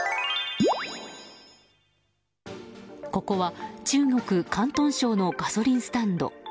ここは中国・広東省のガソリンスタンド。